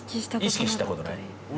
意識したことない？